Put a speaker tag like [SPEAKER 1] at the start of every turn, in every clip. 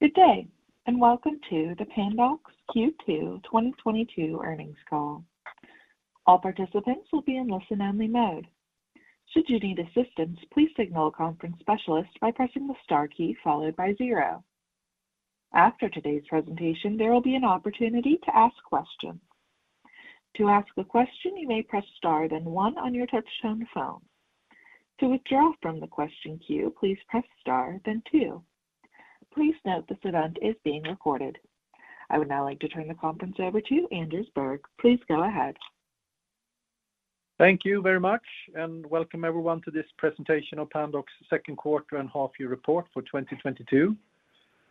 [SPEAKER 1] Good day, and welcome to the Pandox Q2 2022 Earnings Call. All participants will be in listen-only mode. Should you need assistance, please signal a conference specialist by pressing the star key followed by zero. After today's presentation, there will be an opportunity to ask questions. To ask a question, you may press star, then one on your touchtone phone. To withdraw from the question queue, please press star, then two. Please note this event is being recorded. I would now like to turn the conference over to Anders Berg. Please go ahead.
[SPEAKER 2] Thank you very much, and welcome everyone to this presentation of Pandox Second Quarter and Half Year Report for 2022.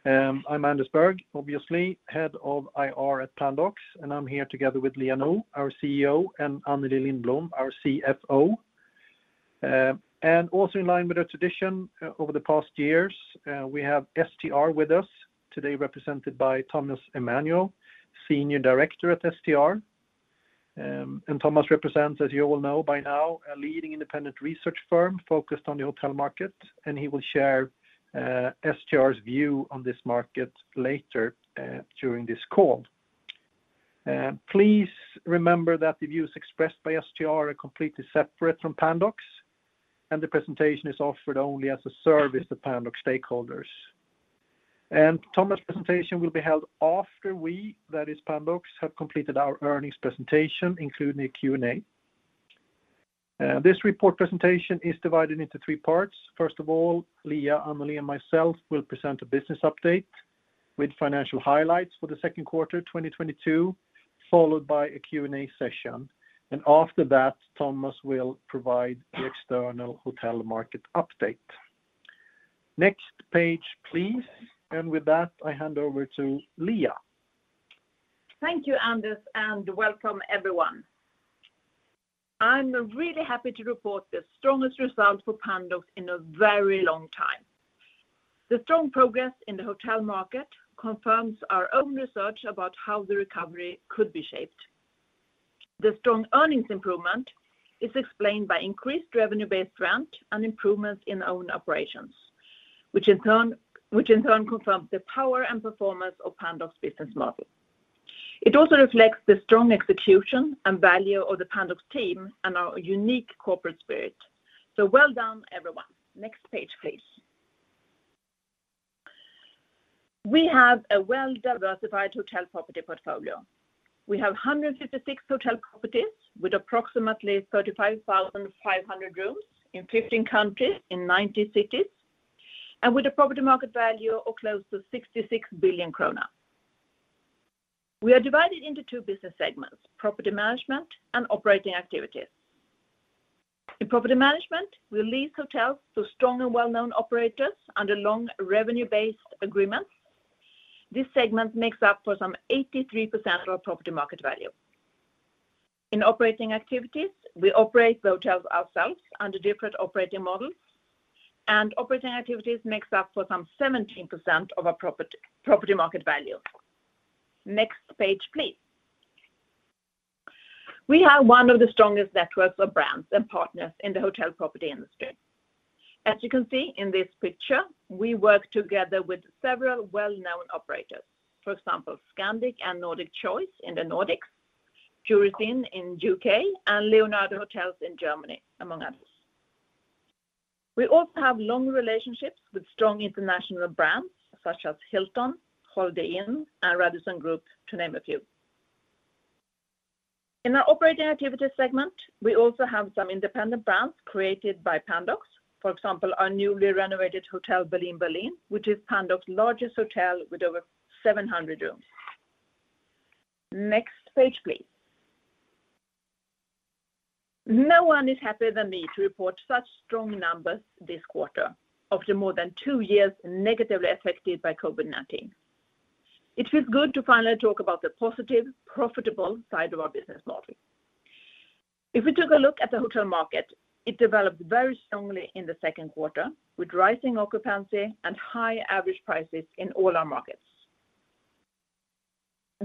[SPEAKER 2] I'm Anders Berg, obviously Head of IR at Pandox, and I'm here together with Liia Nõu, our CEO, and Anneli Lindblom, our CFO. Also in line with our tradition over the past years, we have STR with us today represented by Thomas Emanuel, Senior Director at STR. Thomas represents, as you all know by now, a leading independent research firm focused on the hotel market, and he will share STR's view on this market later during this call. Please remember that the views expressed by STR are completely separate from Pandox, and the presentation is offered only as a service to Pandox stakeholders. Thomas' presentation will be held after we, that is Pandox, have completed our earnings presentation, including a Q&A. This report presentation is divided into three parts. First of all, Liia, Anneli, and myself will present a business update with financial highlights for the second quarter 2022, followed by a Q&A session. After that, Thomas will provide the external hotel market update. Next page, please. With that, I hand over to Liia.
[SPEAKER 3] Thank you, Anders, and welcome everyone. I'm really happy to report the strongest result for Pandox in a very long time. The strong progress in the hotel market confirms our own research about how the recovery could be shaped. The strong earnings improvement is explained by increased revenue-based rent and improvements in own operations, which in turn confirms the power and performance of Pandox business model. It also reflects the strong execution and value of the Pandox team and our unique corporate spirit. Well done, everyone. Next page, please. We have a well-diversified hotel property portfolio. We have 156 hotel properties with approximately 35,500 rooms in 15 countries in 90 cities, and with a property market value of close to 66 billion krona. We are divided into two business segments, property management and operating activities. In property management, we lease hotels to strong and well-known operators under long revenue-based agreements. This segment makes up for some 83% of our property market value. In operating activities, we operate the hotels ourselves under different operating models, and operating activities makes up for some 17% of our property market value. Next page, please. We have one of the strongest networks of brands and partners in the hotel property industry. As you can see in this picture, we work together with several well-known operators. For example, Scandic and Nordic Choice in the Nordics, Jurys Inn in U.K., and Leonardo Hotels in Germany, among others. We also have long relationships with strong international brands such as Hilton, Holiday Inn, and Radisson Hotel Group, to name a few. In our operating activities segment, we also have some independent brands created by Pandox. For example, our newly renovated Hotel Berlin, which is Pandox's largest hotel with over 700 rooms. Next page, please. No one is happier than me to report such strong numbers this quarter after more than two years negatively affected by COVID-19. It feels good to finally talk about the positive, profitable side of our business model. If we took a look at the hotel market, it developed very strongly in the second quarter with rising occupancy and high average prices in all our markets.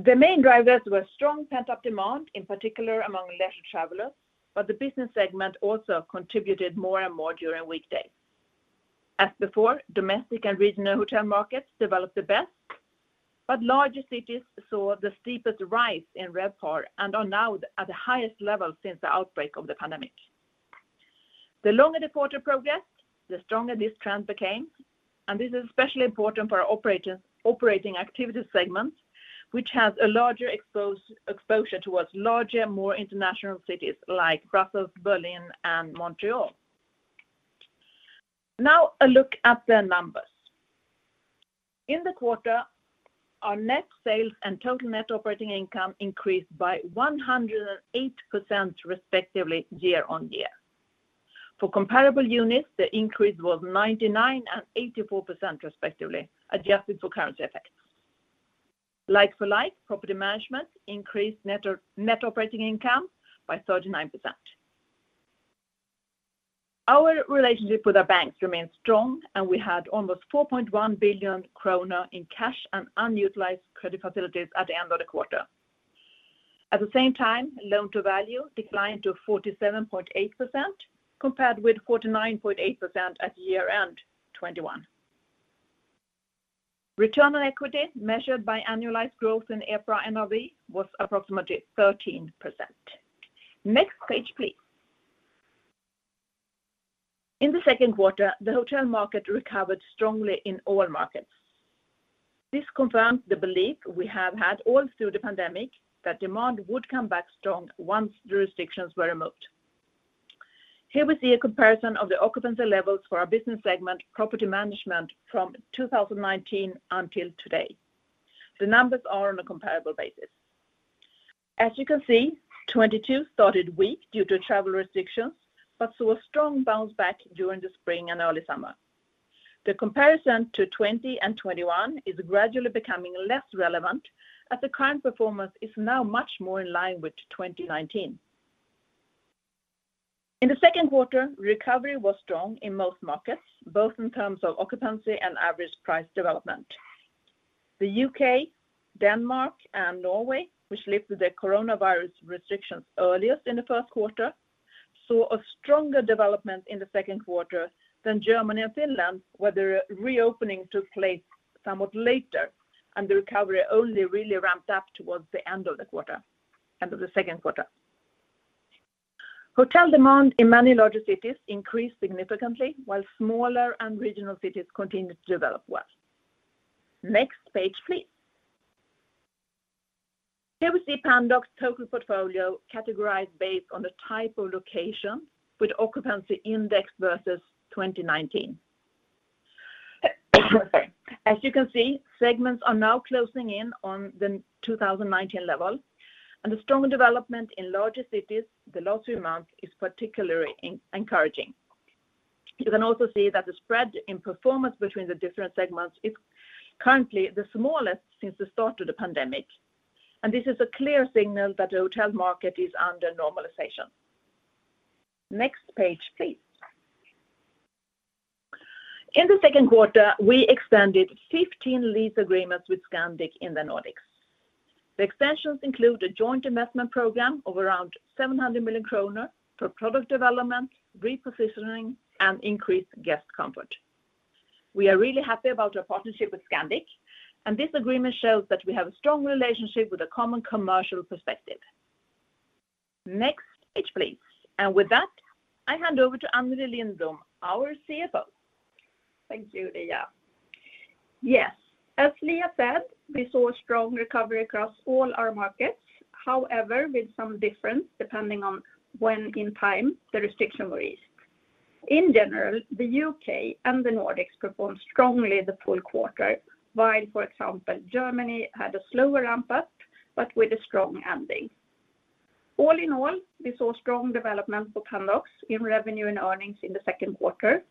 [SPEAKER 3] The main drivers were strong pent-up demand, in particular among leisure travelers, but the business segment also contributed more and more during weekdays. As before, domestic and regional hotel markets developed the best, but larger cities saw the steepest rise in RevPAR and are now at the highest level since the outbreak of the pandemic. The longer the quarter progressed, the stronger this trend became, and this is especially important for our operating activity segment, which has a larger exposure towards larger, more international cities like Brussels, Berlin, and Montreal. Now a look at the numbers. In the quarter, our net sales and total net operating income increased by 108% respectively year-on-year. For comparable units, the increase was 99% and 84% respectively, adjusted for currency effects. Like-for-like, property management increased net operating income by 39%. Our relationship with the banks remains strong, and we had almost 4.1 billion kronor in cash and unutilized credit facilities at the end of the quarter. At the same time, loan-to-value declined to 47.8% compared with 49.8% at year-end 2021. Return on equity measured by annualized growth in EPRA NRV was approximately 13%. Next page, please. In the second quarter, the hotel market recovered strongly in all markets. This confirms the belief we have had all through the pandemic that demand would come back strong once restrictions were removed. Here we see a comparison of the occupancy levels for our business segment Property Management from 2019 until today. The numbers are on a comparable basis. As you can see, 2022 started weak due to travel restrictions but saw a strong bounce back during the spring and early summer. The comparison to 2020 and 2021 is gradually becoming less relevant as the current performance is now much more in line with 2019. In the second quarter, recovery was strong in most markets, both in terms of occupancy and average price development. The U.K., Denmark, and Norway, which lifted their coronavirus restrictions earliest in the first quarter, saw a stronger development in the second quarter than Germany and Finland, where the reopening took place somewhat later and the recovery only really ramped up towards the end of the quarter, end of the second quarter. Hotel demand in many larger cities increased significantly while smaller and regional cities continued to develop well. Next page, please. Here we see Pandox total portfolio categorized based on the type of location with occupancy index versus 2019. As you can see, segments are now closing in on the 2019 level, and the strong development in larger cities the last few months is particularly encouraging. You can also see that the spread in performance between the different segments is currently the smallest since the start of the pandemic, and this is a clear signal that the hotel market is under normalization. Next page, please. In the second quarter, we extended 15 lease agreements with Scandic in the Nordics. The extensions include a joint investment program of around 700 million kronor for product development, repositioning, and increased guest comfort. We are really happy about our partnership with Scandic, and this agreement shows that we have a strong relationship with a common commercial perspective. Next page, please. With that, I hand over to Anneli Lindblom, our CFO.
[SPEAKER 4] Thank you, Liia. Yes, as Liia said, we saw strong recovery across all our markets, however, with some difference depending on when in time the restriction were eased. In general, the U.K. and the Nordics performed strongly the full quarter, while, for example, Germany had a slower ramp-up but with a strong ending. All in all, we saw strong development for Pandox in revenue and earnings in the second quarter.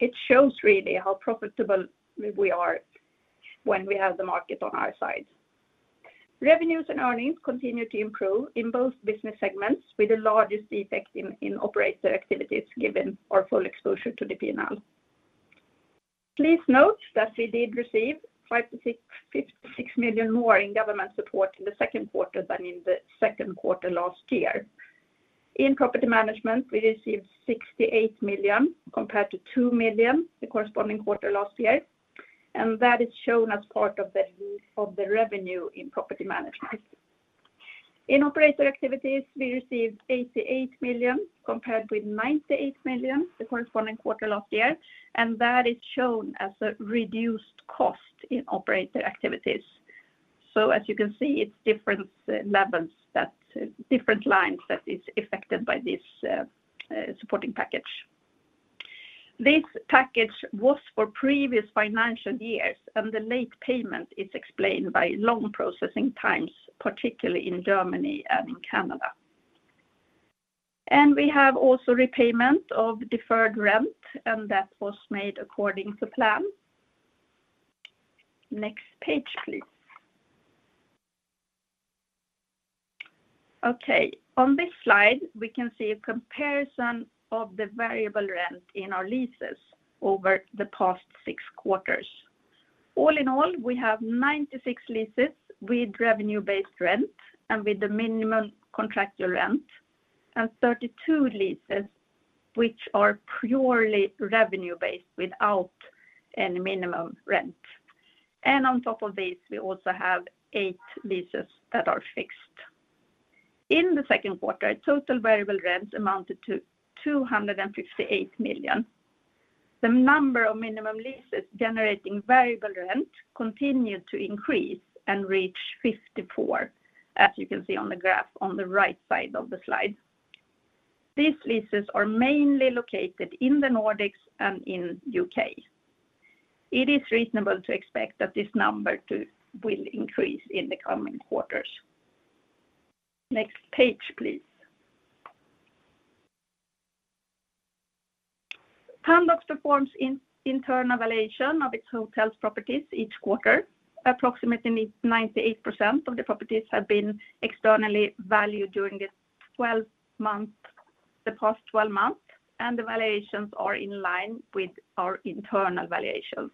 [SPEAKER 4] It shows really how profitable we are when we have the market on our side. Revenues and earnings continue to improve in both business segments, with the largest effect in operator activities given our full exposure to the P&L. Please note that we did receive 56 million more in government support in the second quarter than in the second quarter last year. In Property Management, we received 68 million compared to 2 million the corresponding quarter last year, and that is shown as part of the lease and the revenue in Property Management. In operating activities, we received 88 million compared with 98 million the corresponding quarter last year, and that is shown as a reduced cost in operating activities. As you can see, it's different levels that different lines that are affected by this supporting package. This package was for previous financial years, and the late payment is explained by long processing times, particularly in Germany and Canada. We have also repayment of deferred rent, and that was made according to plan. Next page, please. Okay, on this slide, we can see a comparison of the variable rent in our leases over the past 6 quarters. All in all, we have 96 leases with revenue-based rent and with the minimum contractual rent, and 32 leases which are purely revenue based without any minimum rent. On top of this, we also have eight leases that are fixed. In the second quarter, total variable rents amounted to 258 million. The number of minimum leases generating variable rent continued to increase and reach 54, as you can see on the graph on the right side of the slide. These leases are mainly located in the Nordics and in U.K.. It is reasonable to expect that this number will increase in the coming quarters. Next page, please. Pandox performs internal valuation of its hotel properties each quarter. Approximately 98% of the properties have been externally valued during the past 12 months, and the valuations are in line with our internal valuations.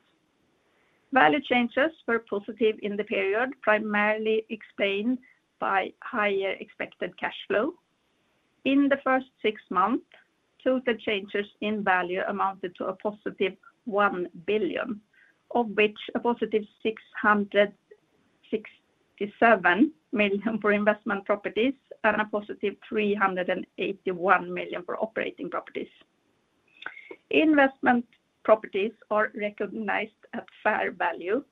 [SPEAKER 4] Value changes were positive in the period primarily explained by higher expected cash flow. In the first 6 months, total changes in value amounted to a positive 1 billion, of which a positive 667 million for investment properties and a positive 381 million for operating properties. Investment properties are recognized at fair value.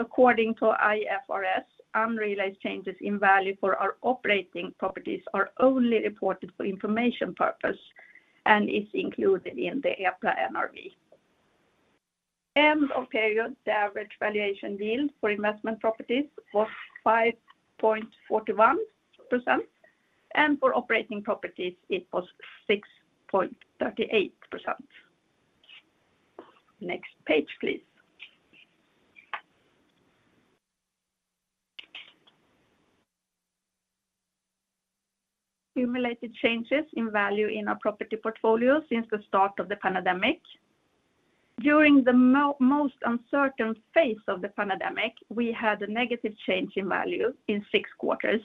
[SPEAKER 4] According to IFRS, unrealized changes in value for our operating properties are only reported for information purpose and is included in the EPRA NRV. End of period, the average valuation yield for investment properties was 5.41%, and for operating properties it was 6.38%. Next page, please. Accumulated changes in value in our property portfolio since the start of the pandemic. During the most uncertain phase of the pandemic, we had a negative change in value in six quarters,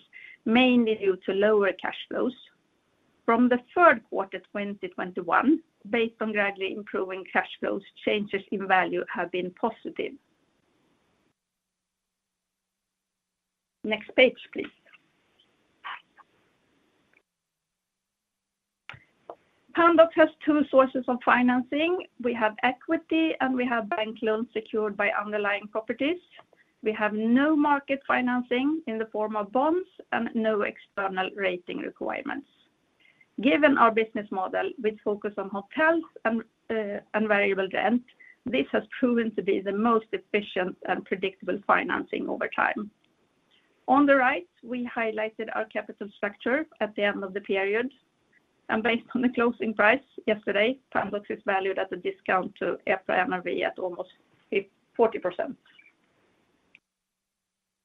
[SPEAKER 4] mainly due to lower cash flows. From the third quarter 2021, based on gradually improving cash flows, changes in value have been positive. Next page, please. Pandox has two sources of financing. We have equity, and we have bank loans secured by underlying properties. We have no market financing in the form of bonds and no external rating requirements. Given our business model, which focus on hotels and and variable rent, this has proven to be the most efficient and predictable financing over time. On the right, we highlighted our capital structure at the end of the period. Based on the closing price yesterday, Pandox is valued at a discount to EPRA NRV at almost 40%.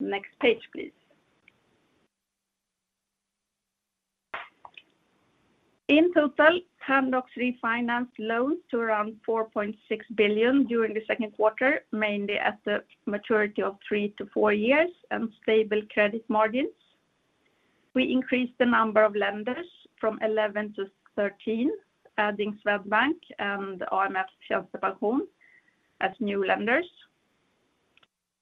[SPEAKER 4] Next page, please. In total, Pandox refinanced loans to around 4.6 billion during the second quarter, mainly at the maturity of 3-4 years and stable credit margins. We increased the number of lenders from 11 to 13, adding Swedbank and AMF Tjänstepension as new lenders.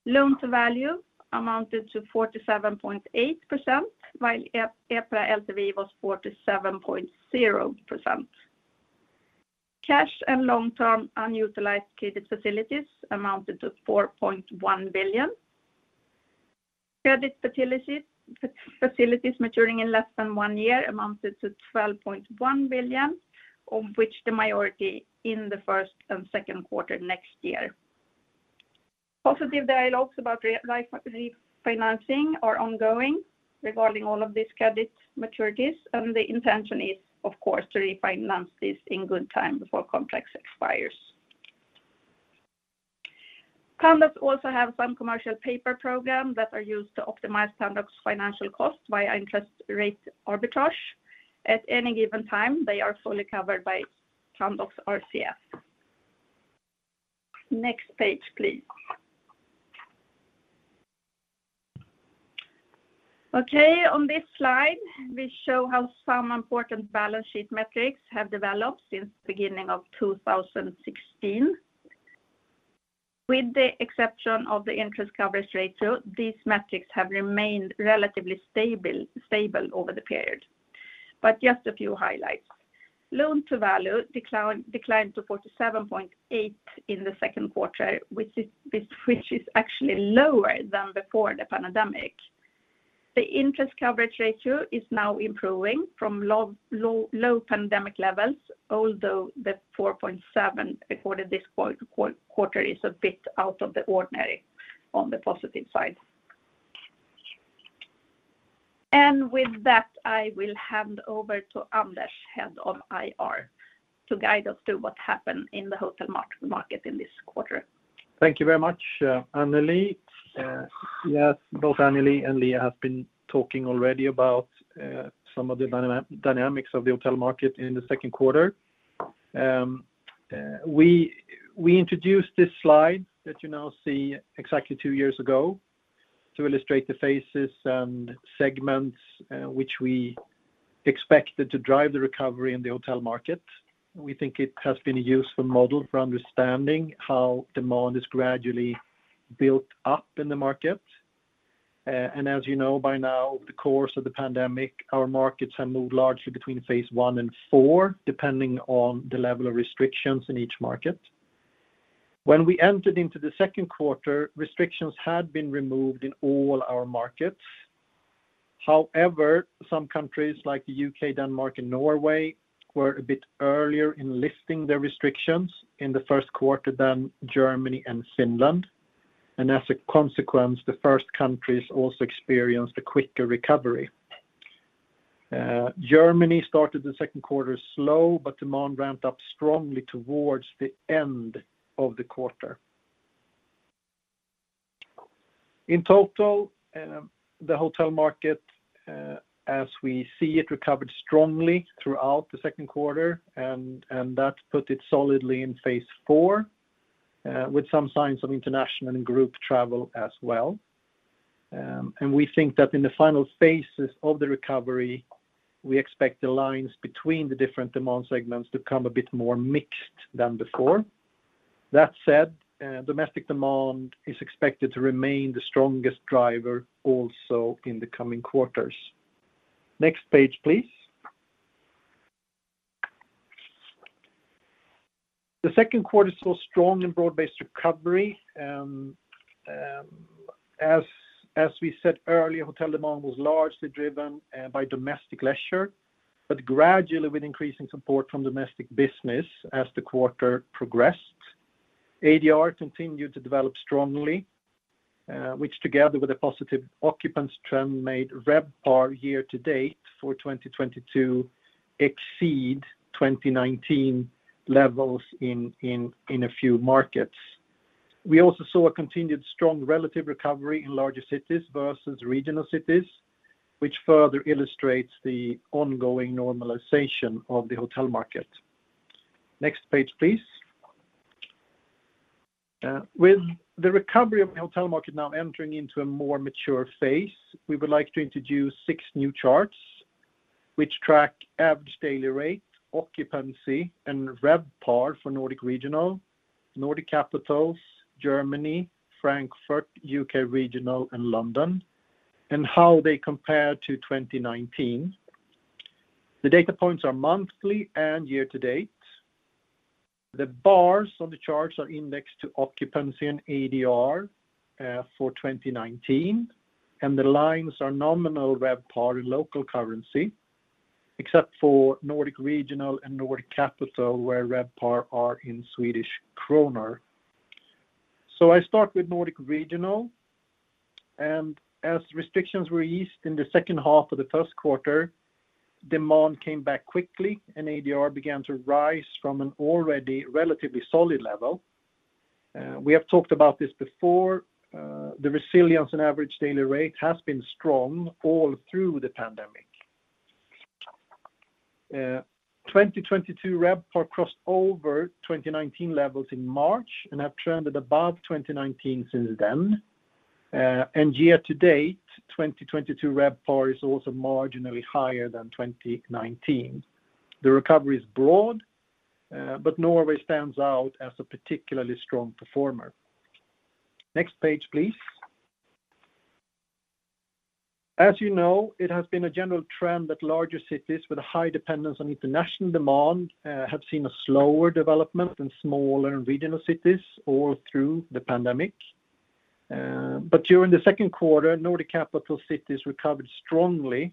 [SPEAKER 4] Loan-to-value amounted to 47.8%, while EPRA LTV was 47.0%. Cash and long-term unutilized credit facilities amounted to 4.1 billion. Credit facilities maturing in less than one year amounted to 12.1 billion, of which the majority in the first and second quarter next year. Positive dialogues about refinancing are ongoing regarding all of these credit maturities, and the intention is, of course, to refinance this in good time before contracts expires. Pandox also have some commercial paper program that are used to optimize Pandox financial costs via interest rate arbitrage. At any given time, they are fully covered by Pandox RCF. Next page, please. Okay. On this slide, we show how some important balance sheet metrics have developed since the beginning of 2016. With the exception of the interest coverage ratio, these metrics have remained relatively stable over the period. Just a few highlights. Loan-to-value declined to 47.8 in the second quarter, which is actually lower than before the pandemic. The interest coverage ratio is now improving from low pandemic levels, although the 4.7 recorded this quarter is a bit out of the ordinary on the positive side. With that, I will hand over to Anders Berg, Head of IR, to guide us through what happened in the hotel market in this quarter.
[SPEAKER 2] Thank you very much, Anneli. Yes, both Anneli and Liia have been talking already about some of the dynamics of the hotel market in the second quarter. We introduced this slide that you now see exactly two years ago to illustrate the phases and segments which we expected to drive the recovery in the hotel market. We think it has been a useful model for understanding how demand is gradually built up in the market. As you know by now, over the course of the pandemic, our markets have moved largely between phase I and IV, depending on the level of restrictions in each market. When we entered into the second quarter, restrictions had been removed in all our markets. However, some countries like U.K., Denmark, and Norway were a bit earlier in lifting their restrictions in the first quarter than Germany and Finland. As a consequence, the first countries also experienced a quicker recovery. Germany started the second quarter slow, but demand ramped up strongly towards the end of the quarter. In total, the hotel market, as we see it recovered strongly throughout the second quarter, and that put it solidly in phase IV, with some signs of international and group travel as well. We think that in the final phases of the recovery, we expect the lines between the different demand segments to become a bit more mixed than before. That said, domestic demand is expected to remain the strongest driver also in the coming quarters. Next page, please. The second quarter saw strong and broad-based recovery. As we said earlier, hotel demand was largely driven by domestic leisure, but gradually with increasing support from domestic business as the quarter progressed. ADR continued to develop strongly, which together with a positive occupancy trend made RevPAR year to date for 2022 exceed 2019 levels in a few markets. We also saw a continued strong relative recovery in larger cities versus regional cities, which further illustrates the ongoing normalization of the hotel market. Next page, please. With the recovery of the hotel market now entering into a more mature phase, we would like to introduce six new charts which track average daily rate, occupancy, and RevPAR for Nordic Regional, Nordic capitals, Germany, Frankfurt, U.K. regional, and London, and how they compare to 2019. The data points are monthly and year to date. The bars on the charts are indexed to occupancy and ADR for 2019, and the lines are nominal RevPAR in local currency, except for Nordic regional and Nordic capital, where RevPAR are in Swedish krona. I start with Nordic regional. As restrictions were eased in the second half of the first quarter, demand came back quickly, and ADR began to rise from an already relatively solid level. We have talked about this before. The resilience and average daily rate has been strong all through the pandemic. 2022 RevPAR crossed over 2019 levels in March and have trended above 2019 since then. Year to date, 2022 RevPAR is also marginally higher than 2019. The recovery is broad, but Norway stands out as a particularly strong performer. Next page, please. As you know, it has been a general trend that larger cities with a high dependence on international demand, have seen a slower development than smaller regional cities all through the pandemic. During the second quarter, Nordic capital cities recovered strongly,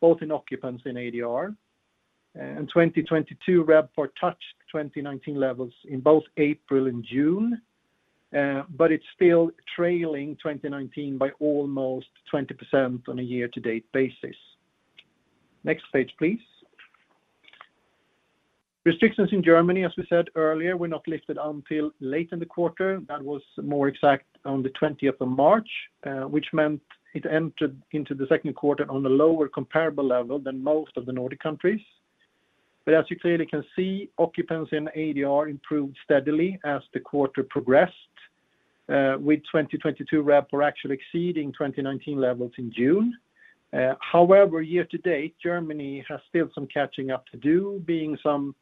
[SPEAKER 2] both in occupancy and ADR. In 2022, RevPAR touched 2019 levels in both April and June, but it's still trailing 2019 by almost 20% on a year-to-date basis. Next page, please. Restrictions in Germany, as we said earlier, were not lifted until late in the quarter. That was more exactly on the twentieth of March, which meant it entered into the second quarter on a lower comparable level than most of the Nordic countries. As you clearly can see, occupancy and ADR improved steadily as the quarter progressed, with 2022 RevPAR actually exceeding 2019 levels in June. However, year to date, Germany has still some catching up to do being some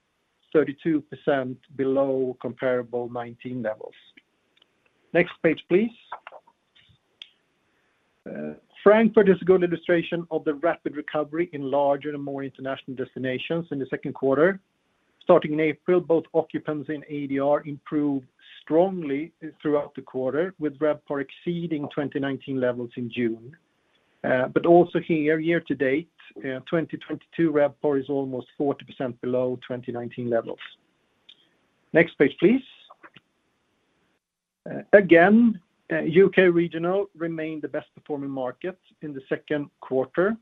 [SPEAKER 2] 32% below comparable 2019 levels. Next page, please. Frankfurt is a good illustration of the rapid recovery in larger and more international destinations in the second quarter. Starting in April, both occupancy and ADR improved strongly throughout the quarter with RevPAR exceeding 2019 levels in June. Also here, year to date, 2022 RevPAR is almost 40% below 2019 levels. Next page, please. Again, U.K. regional remained the best performing market in the second quarter.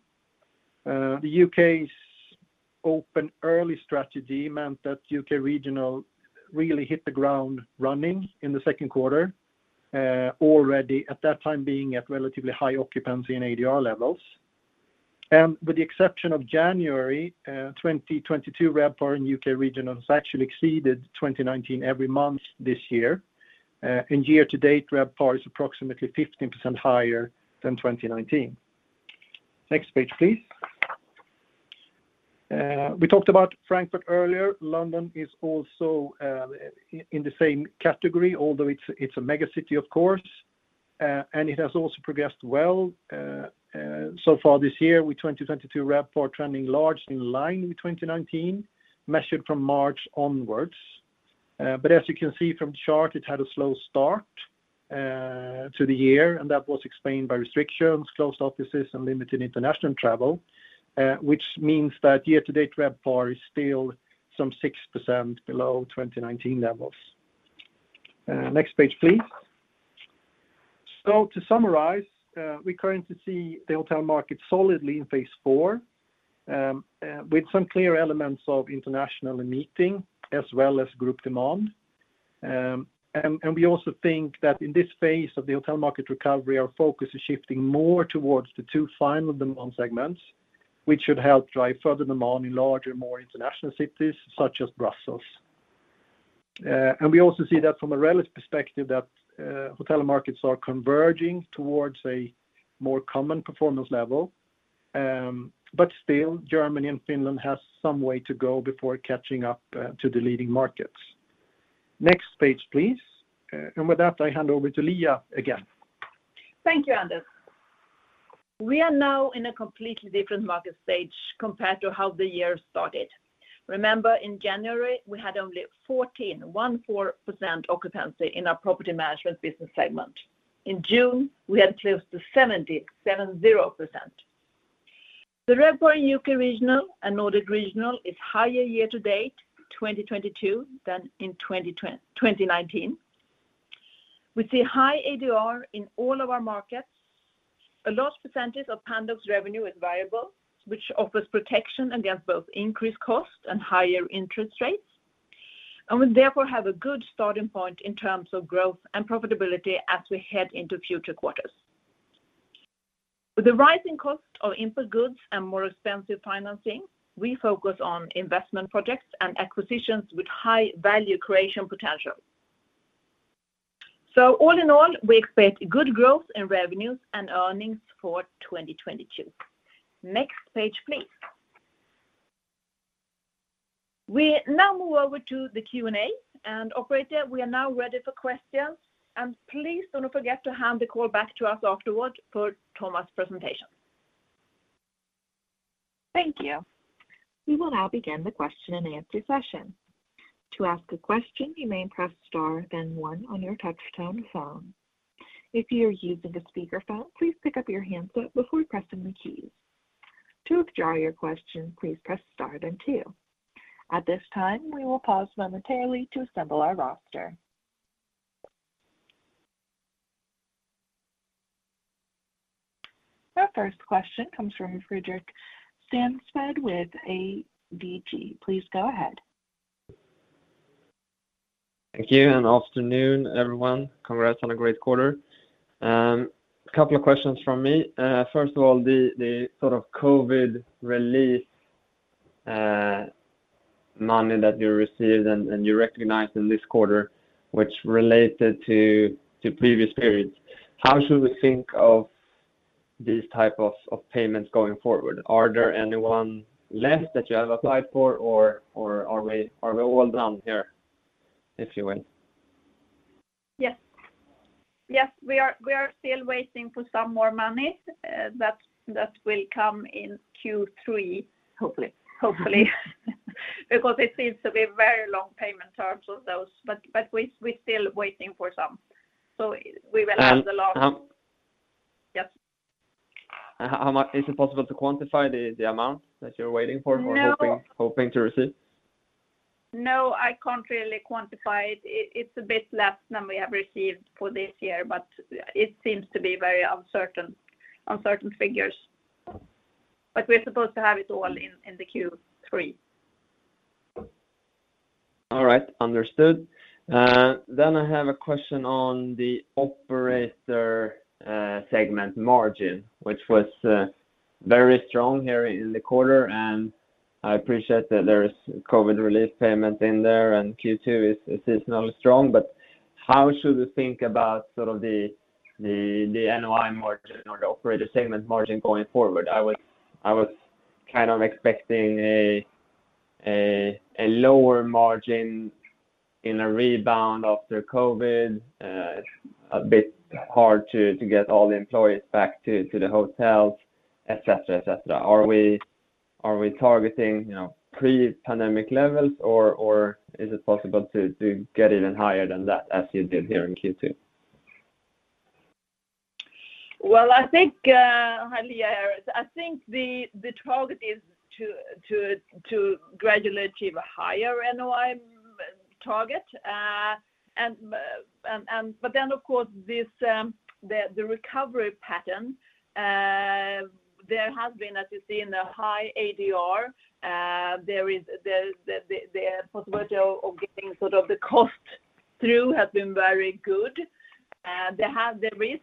[SPEAKER 2] The U.K.'s open early strategy meant that U.K. regional really hit the ground running in the second quarter, already at that time being at relatively high occupancy and ADR levels. With the exception of January, 2022 RevPAR in U.K. regional has actually exceeded 2019 every month this year. Year to date, RevPAR is approximately 15% higher than 2019. Next page, please. We talked about Frankfurt earlier. London is also in the same category, although it's a mega city, of course, and it has also progressed well. So far this year, with 2022 RevPAR trending largely in line with 2019, measured from March onwards. As you can see from the chart, it had a slow start to the year, and that was explained by restrictions, closed offices, and limited international travel, which means that year to date RevPAR is still some 6% below 2019 levels. Next page, please. To summarize, we currently see the hotel market solidly in phase IV with some clear elements of international meeting as well as group demand, and we also think that in this phase of the hotel market recovery, our focus is shifting more towards the two final demand segments, which should help drive further demand in larger, more international cities such as Brussels. We also see that from a relative perspective, hotel markets are converging towards a more common performance level. Still Germany and Finland has some way to go before catching up to the leading markets. Next page, please. With that, I hand over to Liia again.
[SPEAKER 3] Thank you, Anders. We are now in a completely different market stage compared to how the year started. Remember in January, we had only 14% occupancy in our property management business segment. In June, we had close to 70%. The RevPAR U.K. regional and Nordic regional is higher year to date 2022 than in 2019. We see high ADR in all of our markets. A large percentage of Pandox revenue is variable, which offers protection against both increased costs and higher interest rates. We therefore have a good starting point in terms of growth and profitability as we head into future quarters. With the rising cost of input goods and more expensive financing, we focus on investment projects and acquisitions with high value creation potential. All in all, we expect good growth in revenues and earnings for 2022. Next page, please. We now move over to the Q&A. Operator, we are now ready for questions. Please do not forget to hand the call back to us afterward for Thomas' presentation.
[SPEAKER 1] Thank you. We will now begin the question-and-answer session. To ask a question, you may press star then one on your touchtone phone. If you are using a speakerphone, please pick up your handset before pressing the keys. To withdraw your question, please press star then two. At this time, we will pause momentarily to assemble our roster. Our first question comes from Fredrik Stensved with ABG. Please go ahead.
[SPEAKER 5] Thank you, and good afternoon, everyone. Congrats on a great quarter. A couple of questions from me. First of all, the sort of COVID relief money that you received and you recognized in this quarter, which related to previous periods. How should we think of these type of payments going forward? Are there anyone left that you have applied for or are we all done here, if you will?
[SPEAKER 4] Yes. We are still waiting for some more money that will come in Q3.
[SPEAKER 2] Hopefully.
[SPEAKER 4] Hopefully. Because it seems to be very long payment terms of those. We're still waiting for some. We will have the last-
[SPEAKER 5] And how-
[SPEAKER 4] Yes.
[SPEAKER 5] How is it possible to quantify the amount that you're waiting for?
[SPEAKER 4] No
[SPEAKER 5] hoping to receive?
[SPEAKER 4] No, I can't really quantify it. It's a bit less than we have received for this year, but it seems to be very uncertain figures. We're supposed to have it all in the Q3.
[SPEAKER 5] All right. Understood. I have a question on the operator segment margin, which was very strong here in the quarter. I appreciate that there's COVID relief payment in there and Q2 is seasonally strong. How should we think about sort of the NOI margin or the operator segment margin going forward? I was kind of expecting a lower margin in a rebound after COVID. It's a bit hard to get all the employees back to the hotels, et cetera. Are we targeting, you know, pre-pandemic levels or is it possible to get even higher than that as you did here in Q2?
[SPEAKER 3] Well, I think, hi Liia here. I think the target is to gradually achieve a higher NOI target. But then of course, the recovery pattern, there has been, as you see in the high ADR, the possibility of getting sort of the costs through has been very good. There is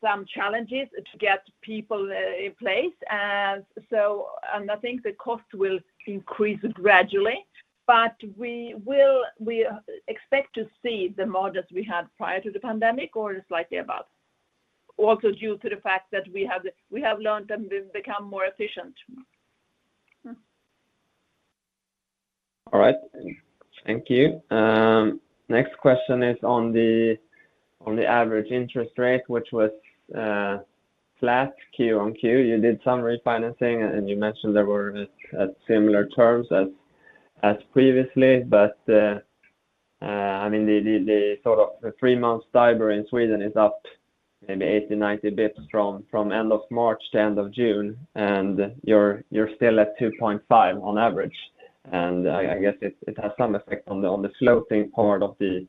[SPEAKER 3] some challenges to get people in place. I think the cost will increase gradually. We expect to see the margins we had prior to the pandemic or slightly above. Also due to the fact that we have learned and we've become more efficient.
[SPEAKER 5] All right. Thank you. Next question is on the average interest rate, which was flat Q-on-Q. You did some refinancing, and you mentioned there were at similar terms as previously. I mean, the three-month STIBOR in Sweden is up maybe 80-90 basis points from end of March to end of June, and you're still at 2.5 on average. I guess it has some effect on the floating part of the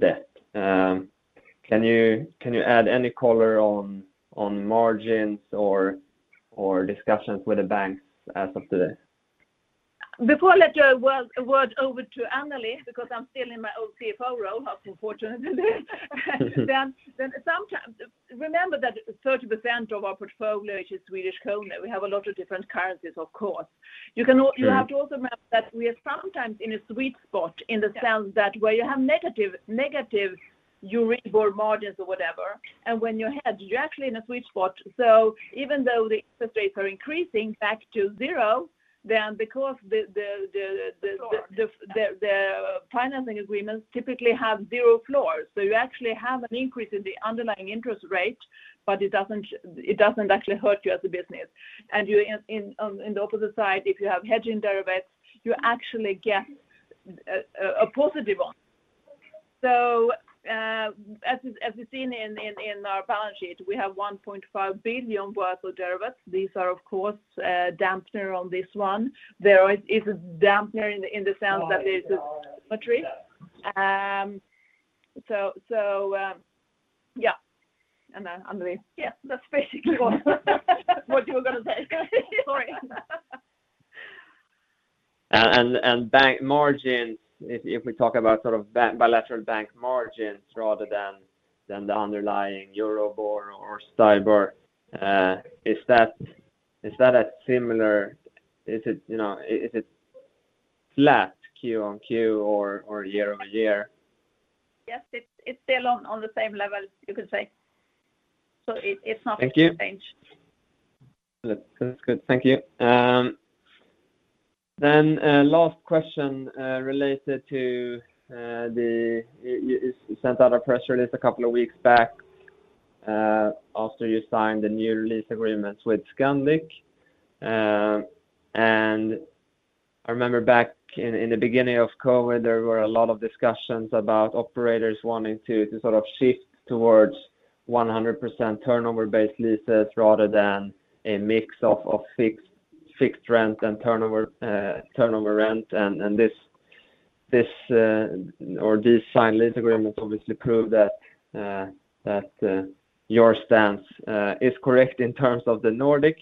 [SPEAKER 5] debt. Can you add any color on margins or discussions with the banks as of today?
[SPEAKER 3] Before I hand the word over to Anneli, because I'm still in my old CFO role, unfortunately. Remember that 30% of our portfolio, which is Swedish krona, we have a lot of different currencies, of course. You can al-
[SPEAKER 5] Sure.
[SPEAKER 3] You have to also remember that we are sometimes in a sweet spot in the sense that where you have negative EURIBOR margins or whatever, and when you hedge, you're actually in a sweet spot. Even though the interest rates are increasing back to zero, then because the financing agreements typically have zero floors. You actually have an increase in the underlying interest rate, but it doesn't actually hurt you as a business. You on the opposite side, if you have hedging derivatives, you actually get a positive one. As you've seen in our balance sheet, we have 1.5 billion worth of derivatives. These are, of course, a dampener on this one. There is a dampener in the sense that it is a REIT. Yeah. Anneli. Yeah, that's basically what you were gonna say. Sorry.
[SPEAKER 5] Bank margins, if we talk about sort of bilateral bank margins rather than the underlying EURIBOR or STIBOR, is that similar? Is it, you know, flat Q-on-Q or year-on-year?
[SPEAKER 3] Yes. It's still on the same level you could say. It's not-
[SPEAKER 5] Thank you.
[SPEAKER 3] Changed.
[SPEAKER 5] That's good. Thank you. Last question related to the you sent out a press release a couple of weeks back after you signed the new lease agreements with Scandic. I remember back in the beginning of COVID, there were a lot of discussions about operators wanting to sort of shift towards 100% turnover based leases rather than a mix of fixed rent and turnover rent. This or these signed lease agreements obviously prove that your stance is correct in terms of the Nordic.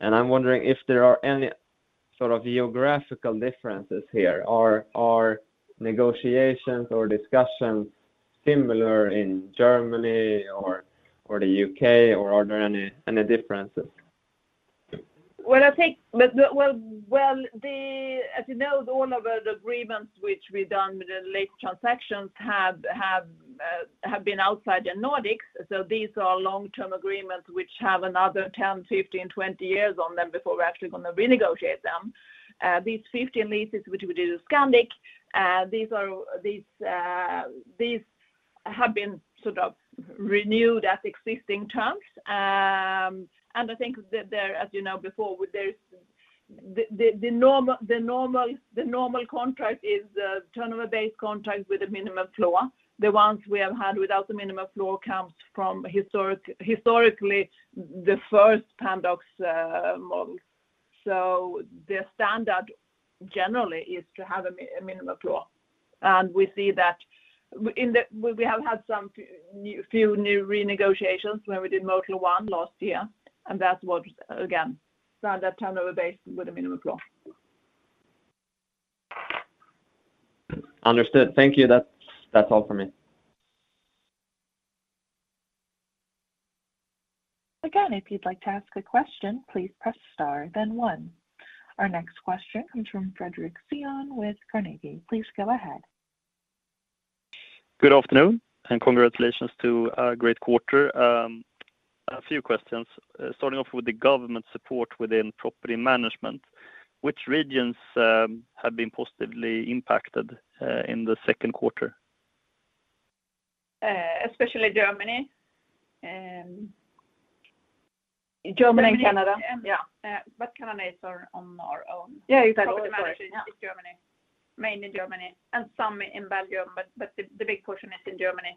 [SPEAKER 5] I'm wondering if there are any sort of geographical differences here. Are negotiations or discussions similar in Germany or the U.K., or are there any differences?
[SPEAKER 3] As you know, all of the agreements which we've done with the latest transactions have been outside the Nordics. These are long-term agreements, which have another 10, 15, 20 years on them before we're actually gonna renegotiate them. These 15 leases, which we did with Scandic, have been sort of renewed at existing terms. I think, as you know, the normal contract is a turnover based contract with a minimum floor. The ones we have had without the minimum floor come from historically the first Pandox model. The standard generally is to have a minimum floor. We see that in the We have had some few new renegotiations when we did Motel One last year. That's what, again, started that turnover base with a minimum floor.
[SPEAKER 5] Understood. Thank you. That's all for me.
[SPEAKER 1] Again, if you'd like to ask a question, please press star then one. Our next question comes from Fredrik Cyon with Carnegie. Please go ahead.
[SPEAKER 6] Good afternoon and congratulations to a great quarter. A few questions, starting off with the government support within property management. Which regions have been positively impacted in the second quarter?
[SPEAKER 3] Especially Germany. In Germany and Canada. Canada is on our own. Exactly. Property management in Germany, mainly Germany, and some in Belgium, but the big portion is in Germany.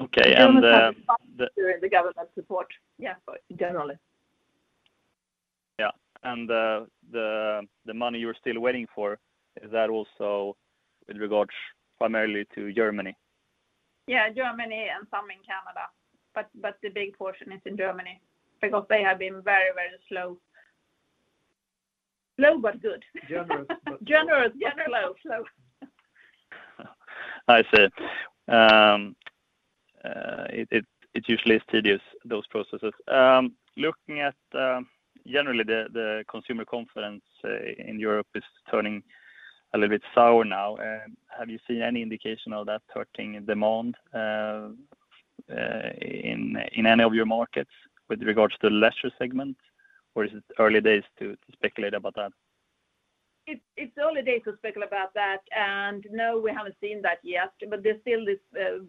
[SPEAKER 6] Okay.
[SPEAKER 3] The government support, yeah, for generally.
[SPEAKER 6] Yeah. The money you're still waiting for, is that also in regards primarily to Germany?
[SPEAKER 3] Yeah, Germany and some in Canada, but the big portion is in Germany because they have been very, very slow. Slow but good. Generous. Slow.
[SPEAKER 6] I see. It usually is tedious, those processes. Looking at generally the consumer confidence in Europe is turning a little bit sour now. Have you seen any indication of that hurting demand in any of your markets with regards to the leisure segment? Is it early days to speculate about that?
[SPEAKER 3] It's early days to speculate about that, and no, we haven't seen that yet. There's still this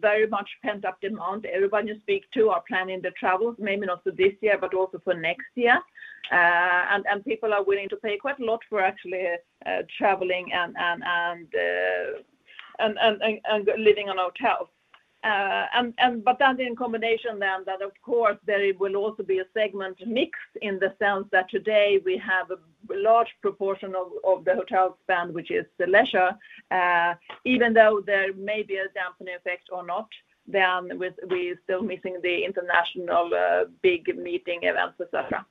[SPEAKER 3] very much pent up demand. Everybody you speak to are planning the travels, maybe not for this year, but also for next year. People are willing to pay quite a lot for actually traveling and living in a hotel. In combination that of course there will also be a segment mix in the sense that today we have a large proportion of the hotel spend, which is leisure. Even though there may be a dampening effect or not, then we still missing the international big meeting events, et cetera.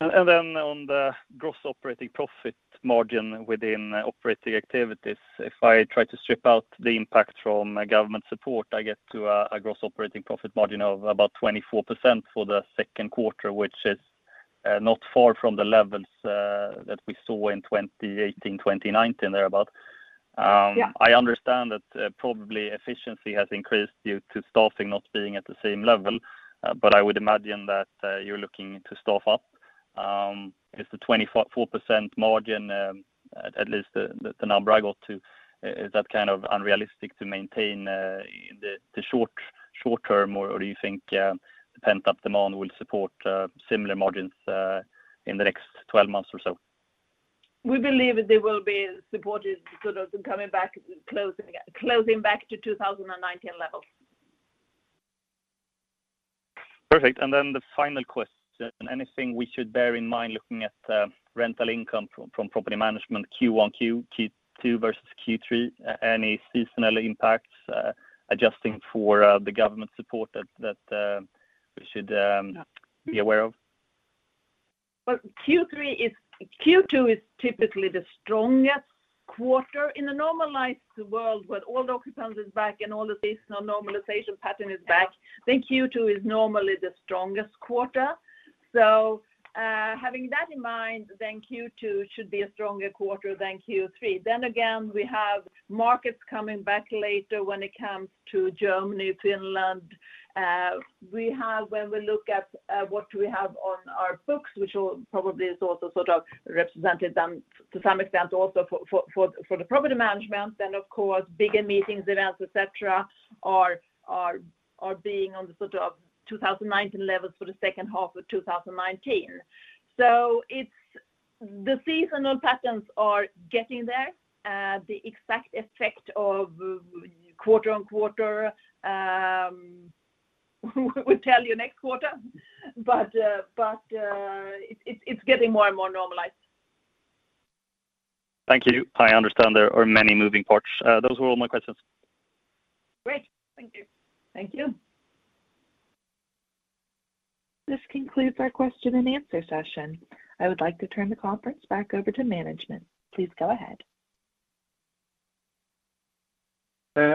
[SPEAKER 6] On the gross operating profit margin within operating activities, if I try to strip out the impact from government support, I get to a gross operating profit margin of about 24% for the second quarter, which is not far from the levels that we saw in 2018, 2019 thereabout.
[SPEAKER 3] Yeah.
[SPEAKER 6] I understand that probably efficiency has increased due to staffing not being at the same level, but I would imagine that you're looking to staff up. Is the 24% margin, at least the number I got to, kind of unrealistic to maintain in the short term or do you think the pent-up demand will support similar margins in the next 12 months or so?
[SPEAKER 3] We believe they will be supported, sort of, closing back to 2019 levels.
[SPEAKER 6] Perfect. The final question, anything we should bear in mind looking at rental income from property management Q1, Q2 versus Q3? Any seasonal impacts, adjusting for the government support that we should be aware of?
[SPEAKER 3] Well, Q2 is typically the strongest quarter in a normalized world where all the occupants is back and all the seasonal normalization pattern is back. The Q2 is normally the strongest quarter. Having that in mind, then Q2 should be a stronger quarter than Q3. We have markets coming back later when it comes to Germany, Finland. When we look at what we have on our books, which probably is also sort of represented then to some extent also for the property management, then of course, bigger meetings, events, et cetera, are being on the sort of 2019 levels for the second half of 2019. The seasonal patterns are getting there. The exact effect of quarter-over-quarter, we'll tell you next quarter. It's getting more and more normalized.
[SPEAKER 6] Thank you. I understand there are many moving parts. Those were all my questions.
[SPEAKER 3] Great. Thank you. Thank you.
[SPEAKER 1] This concludes our question and answer session. I would like to turn the conference back over to management. Please go ahead.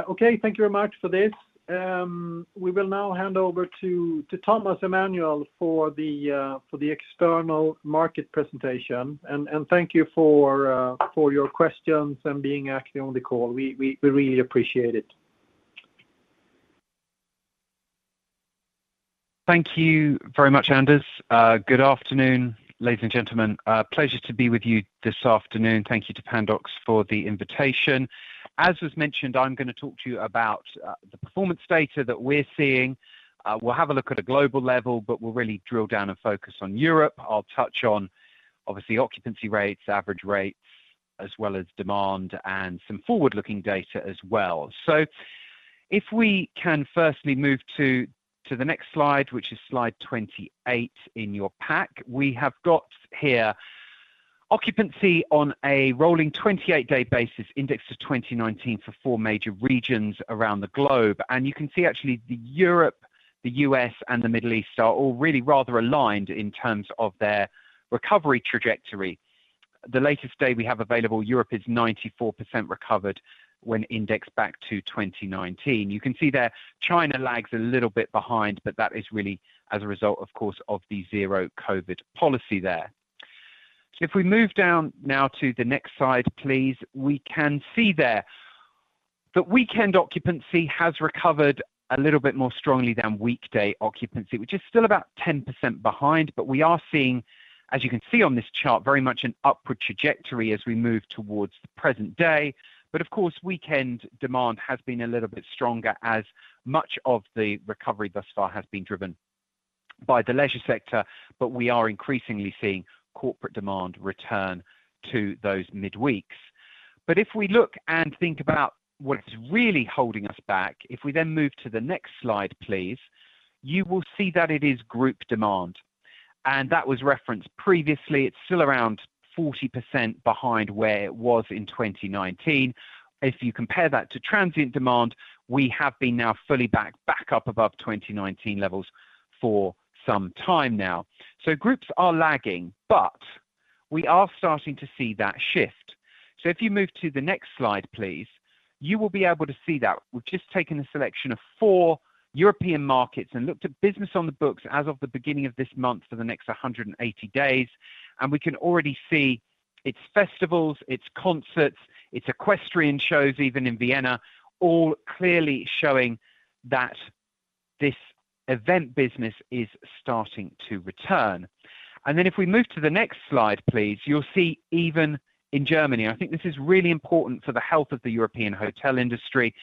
[SPEAKER 2] Okay. Thank you very much for this. We will now hand over to Thomas Emanuel for the external market presentation. Thank you for your questions and being active on the call. We really appreciate it.
[SPEAKER 7] Thank you very much, Anders. Good afternoon, ladies and gentlemen. Pleasure to be with you this afternoon. Thank you to Pandox for the invitation. As was mentioned, I'm gonna talk to you about the performance data that we're seeing. We'll have a look at a global level, but we'll really drill down and focus on Europe. I'll touch on obviously occupancy rates, average rates, as well as demand and some forward-looking data as well. If we can firstly move to the next slide, which is slide 28 in your pack. We have got here occupancy on a rolling 28-day basis indexed to 2019 for four major regions around the globe. You can see actually Europe, the U.S., and the Middle East are all really rather aligned in terms of their recovery trajectory. The latest day we have available, Europe is 94% recovered when indexed back to 2019. You can see there China lags a little bit behind, but that is really as a result, of course, of the zero-COVID policy there. If we move down now to the next slide, please, we can see there that weekend occupancy has recovered a little bit more strongly than weekday occupancy, which is still about 10% behind. We are seeing, as you can see on this chart, very much an upward trajectory as we move towards the present day. Of course, weekend demand has been a little bit stronger as much of the recovery thus far has been driven by the leisure sector, but we are increasingly seeing corporate demand return to those midweeks. If we look and think about what is really holding us back, if we then move to the next slide, please, you will see that it is group demand. That was referenced previously. It's still around 40% behind where it was in 2019. If you compare that to transient demand, we have been now fully back up above 2019 levels for some time now. Groups are lagging, but we are starting to see that shift. If you move to the next slide, please, you will be able to see that. We've just taken a selection of four European markets and looked at business on the books as of the beginning of this month for the next 180 days. We can already see it's festivals, it's concerts, it's equestrian shows even in Vienna, all clearly showing that this event business is starting to return. If we move to the next slide, please, you'll see even in Germany. I think this is really important for the health of the European hotel industry.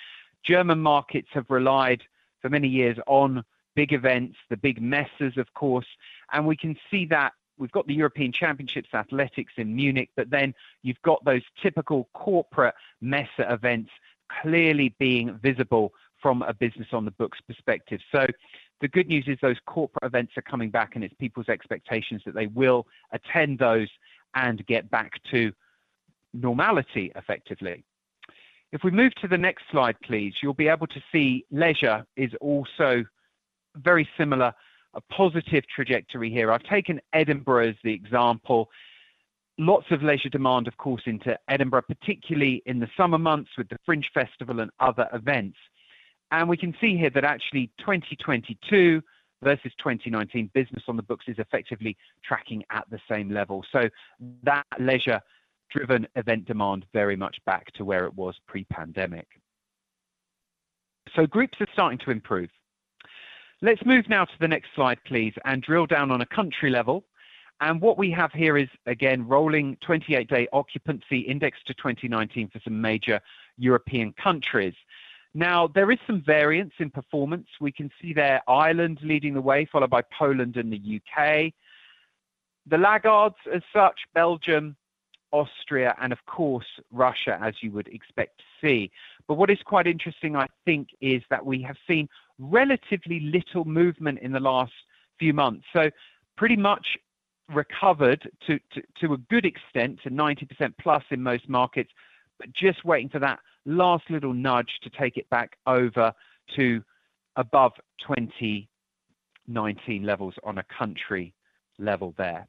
[SPEAKER 7] German markets have relied for many years on big events, the big Messen, of course, and we can see that we've got the European Athletics Championships in Munich, but then you've got those typical corporate Messen events clearly being visible from a business on the books perspective. The good news is those corporate events are coming back and it's people's expectations that they will attend those and get back to normality effectively. If we move to the next slide, please, you'll be able to see leisure is also very similar, a positive trajectory here. I've taken Edinburgh as the example. Lots of leisure demand, of course, into Edinburgh, particularly in the summer months with the Fringe Festival and other events. We can see here that actually 2022 versus 2019 business on the books is effectively tracking at the same level. That leisure-driven event demand very much back to where it was pre-pandemic. Groups are starting to improve. Let's move now to the next slide, please, and drill down on a country level. What we have here is, again, rolling 28-day occupancy index to 2019 for some major European countries. Now, there is some variance in performance. We can see there Ireland leading the way, followed by Poland and the U.K.. The laggards as such, Belgium, Austria, and of course, Russia, as you would expect to see. What is quite interesting, I think, is that we have seen relatively little movement in the last few months. Pretty much recovered to a good extent to 90%+ in most markets. Just waiting for that last little nudge to take it back over to above 2019 levels on a country level there.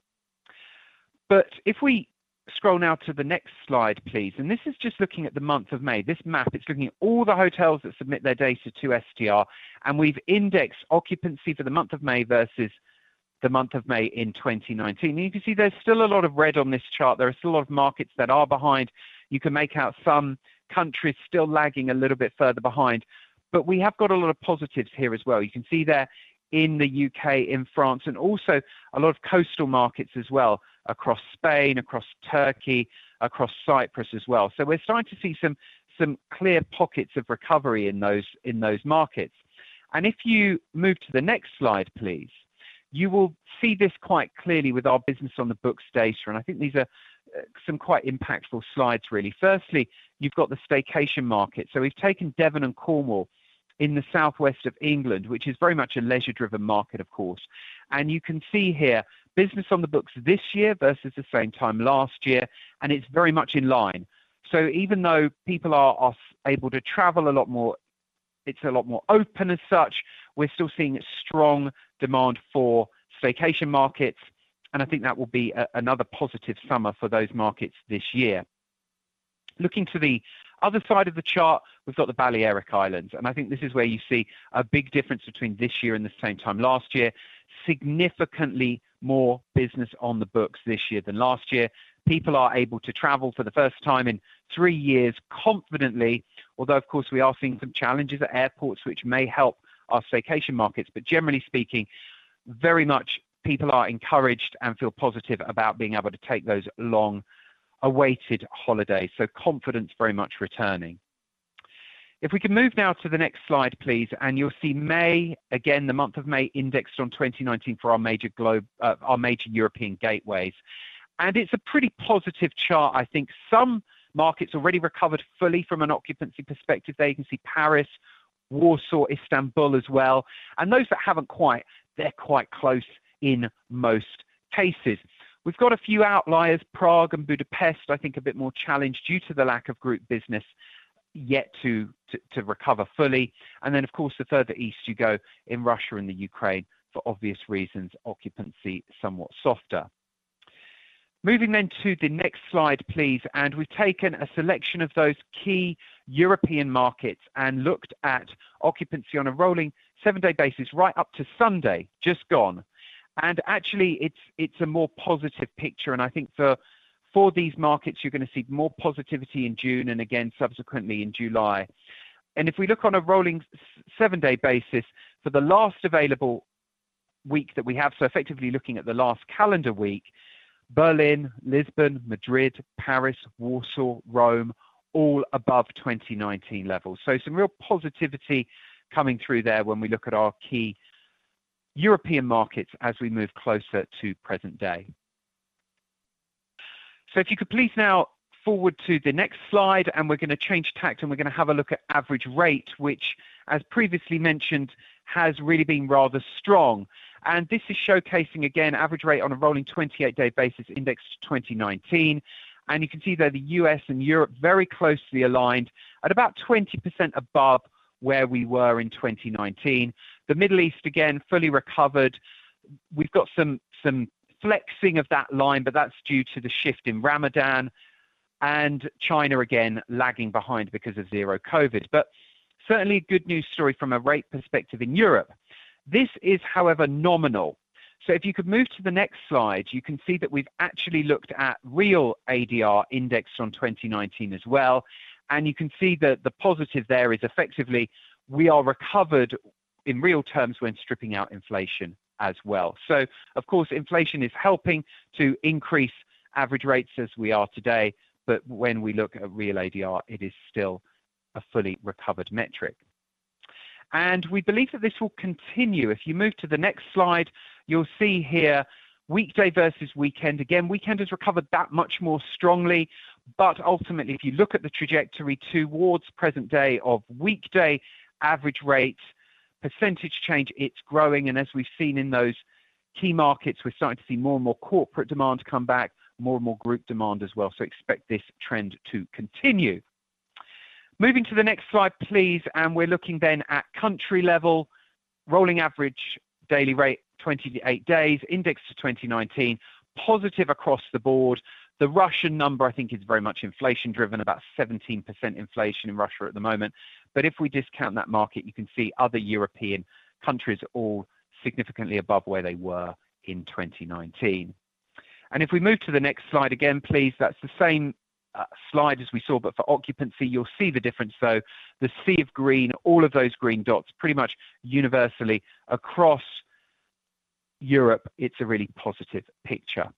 [SPEAKER 7] If we scroll now to the next slide, please. This is just looking at the month of May. This map is looking at all the hotels that submit their data to STR, and we've indexed occupancy for the month of May versus the month of May in 2019. You can see there's still a lot of red on this chart. There are still a lot of markets that are behind. You can make out some countries still lagging a little bit further behind. We have got a lot of positives here as well. You can see there in the U.K., in France, and also a lot of coastal markets as well across Spain, across Turkey, across Cyprus as well. We're starting to see some clear pockets of recovery in those markets. If you move to the next slide, please, you will see this quite clearly with our business on the books data. I think these are some quite impactful slides really. Firstly, you've got the staycation market. We've taken Devon and Cornwall in the southwest of England, which is very much a leisure-driven market of course. You can see here business on the books this year versus the same time last year, and it's very much in line. Even though people are able to travel a lot more, it's a lot more open as such. We're still seeing strong demand for staycation markets, and I think that will be another positive summer for those markets this year. Looking to the other side of the chart, we've got the Balearic Islands, and I think this is where you see a big difference between this year and the same time last year. Significantly more business on the books this year than last year. People are able to travel for the first time in three years confidently. Although, of course, we are seeing some challenges at airports which may help our staycation markets. Generally speaking, very much people are encouraged and feel positive about being able to take those long-awaited holidays. Confidence very much returning. If we can move now to the next slide, please, and you'll see May again, the month of May indexed on 2019 for our major European gateways. It's a pretty positive chart. I think some markets already recovered fully from an occupancy perspective. There you can see Paris, Warsaw, Istanbul as well. Those that haven't quite, they're quite close in most cases. We've got a few outliers, Prague and Budapest, I think a bit more challenged due to the lack of group business yet to recover fully. Then of course, the further east you go in Russia and the Ukraine, for obvious reasons, occupancy somewhat softer. Moving then to the next slide, please. We've taken a selection of those key European markets and looked at occupancy on a rolling seven-day basis right up to Sunday, just gone. Actually it's a more positive picture. I think for these markets you're gonna see more positivity in June and again subsequently in July. If we look on a rolling seven-day basis for the last available week that we have, so effectively looking at the last calendar week, Berlin, Lisbon, Madrid, Paris, Warsaw, Rome, all above 2019 levels. Some real positivity coming through there when we look at our key European markets as we move closer to present day. If you could please now forward to the next slide and we're gonna change tack, and we're gonna have a look at average rate, which as previously mentioned, has really been rather strong. This is showcasing again average rate on a rolling 28-day basis indexed to 2019. You can see there the U.S. And Europe very closely aligned at about 20% above where we were in 2019. The Middle East again, fully recovered. We've got some flexing of that line, but that's due to the shift in Ramadan. China again lagging behind because of zero-COVID. Certainly good news story from a rate perspective in Europe. This is, however, nominal. If you could move to the next slide, you can see that we've actually looked at real ADR indexed from 2019 as well. You can see that the positive there is effectively we are recovered in real terms when stripping out inflation as well. Of course, inflation is helping to increase average rates as we are today, but when we look at real ADR, it is still a fully recovered metric. We believe that this will continue. If you move to the next slide, you'll see here weekday versus weekend. Again, weekend has recovered that much more strongly. But ultimately, if you look at the trajectory towards present day of weekday average rate percentage change, it's growing. As we've seen in those key markets, we're starting to see more and more corporate demand come back, more and more group demand as well. Expect this trend to continue. Moving to the next slide, please. We're looking then at country level. Rolling average daily rate, 28 days, indexed to 2019. Positive across the board. The Russian number I think is very much inflation driven, about 17% inflation in Russia at the moment. But if we discount that market, you can see other European countries all significantly above where they were in 2019. If we move to the next slide again, please. That's the same slide as we saw, but for occupancy. You'll see the difference, though. The sea of green, all of those green dots pretty much universally across Europe, it's a really positive picture.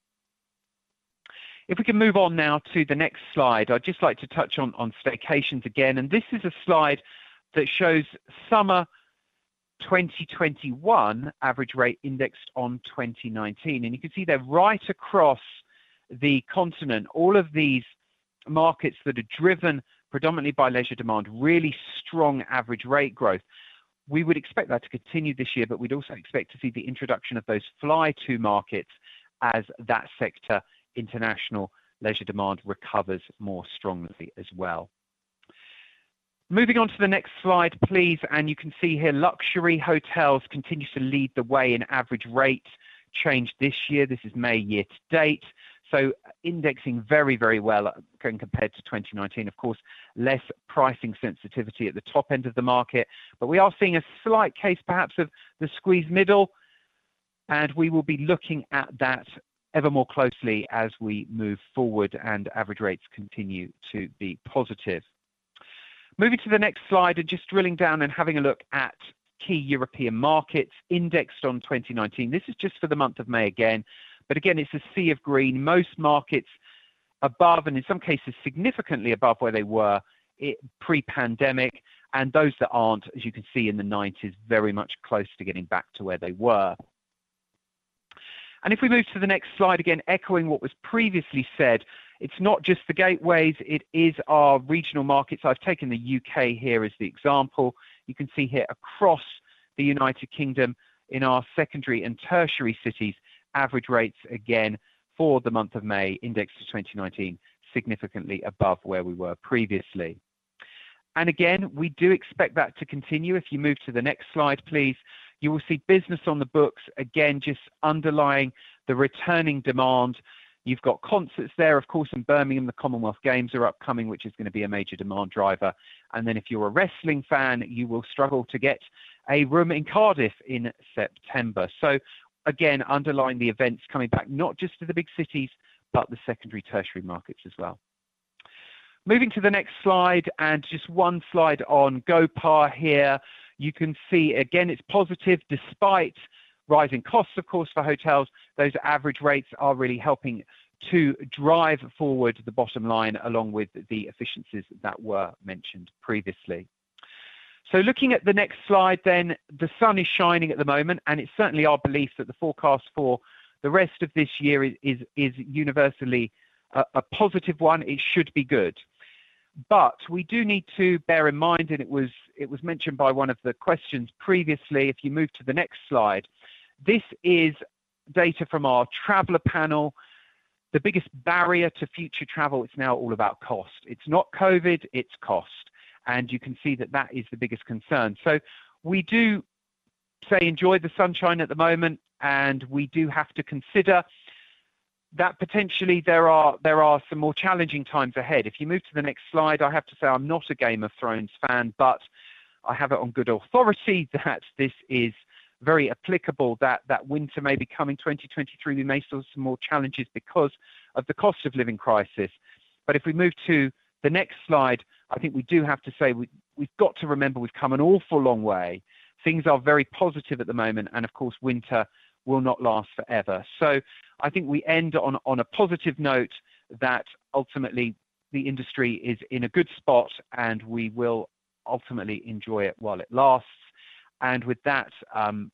[SPEAKER 7] If we can move on now to the next slide. I'd just like to touch on staycations again. This is a slide that shows summer 2021 average rate indexed on 2019. You can see there right across the continent, all of these markets that are driven predominantly by leisure demand, really strong average rate growth. We would expect that to continue this year, but we'd also expect to see the introduction of those fly to markets as that sector, international leisure demand recovers more strongly as well. Moving on to the next slide, please. You can see here luxury hotels continue to lead the way in average rate change this year. This is May year to date. Indexing very, very well when compared to 2019. Of course, less pricing sensitivity at the top end of the market. We are seeing a slight case perhaps of the squeezed middle, and we will be looking at that ever more closely as we move forward and average rates continue to be positive. Moving to the next slide, and just drilling down and having a look at key European markets indexed on 2019. This is just for the month of May again. Again, it's a sea of green. Most markets above, and in some cases, significantly above where they were pre-pandemic. Those that aren't, as you can see in the nineties, very much close to getting back to where they were. If we move to the next slide, again, echoing what was previously said, it's not just the gateways, it is our regional markets. I've taken the U.K. here as the example. You can see here across the United Kingdom in our secondary and tertiary cities, average rates, again, for the month of May indexed to 2019, significantly above where we were previously. Again, we do expect that to continue. If you move to the next slide, please. You will see business on the books, again, just underlying the returning demand. You've got concerts there, of course, in Birmingham. The Commonwealth Games are upcoming, which is going to be a major demand driver. Then if you're a wrestling fan, you will struggle to get a room in Cardiff in September. Again, underlining the events coming back not just to the big cities, but the secondary, tertiary markets as well. Moving to the next slide, just one slide on GOPAR here. You can see again, it's positive despite rising costs, of course, for hotels. Those average rates are really helping to drive forward the bottom line, along with the efficiencies that were mentioned previously. Looking at the next slide then, the sun is shining at the moment, and it's certainly our belief that the forecast for the rest of this year is universally a positive one. It should be good. We do need to bear in mind, and it was mentioned by one of the questions previously. If you move to the next slide. This is data from our traveler panel. The biggest barrier to future travel is now all about cost. It's not COVID, it's cost. You can see that is the biggest concern. We do say enjoy the sunshine at the moment, and we do have to consider that potentially there are some more challenging times ahead. If you move to the next slide. I have to say I'm not a Game of Thrones fan, but I have it on good authority that this is very applicable, that winter may be coming 2023. We may see some more challenges because of the cost of living crisis. If we move to the next slide. I think we do have to say we've got to remember we've come an awful long way. Things are very positive at the moment, and of course, winter will not last forever. I think we end on a positive note that ultimately the industry is in a good spot, and we will ultimately enjoy it while it lasts. With that,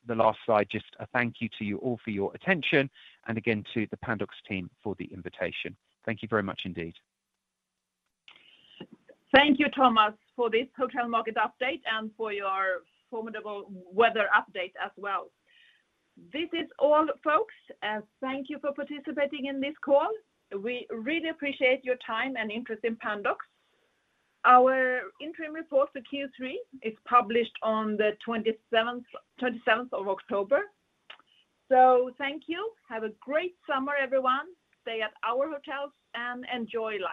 [SPEAKER 7] the last slide, just a thank you to you all for your attention and again to the Pandox team for the invitation. Thank you very much indeed.
[SPEAKER 3] Thank you, Thomas, for this hotel market update and for your formidable weather update as well. This is all, folks. Thank you for participating in this call. We really appreciate your time and interest in Pandox. Our interim report for Q3 is published on the 27th of October. Thank you. Have a great summer, everyone. Stay at our hotels and enjoy life.